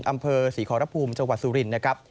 อำเภอศรีขอรภูมิจังหวัดสุรินนะครับ